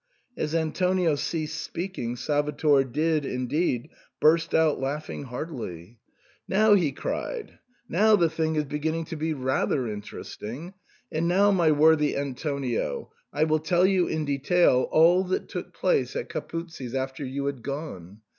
As Antonio ceased speaking, Salvator did indeed burst out laughing heartily. SIGNOR FORMICA. 115 "Now," he cried, " now the thing is beginning to be rather interesting. And now, my worthy Antonio, I will tell you in detail all that took place at Capuzzi's after you had gone.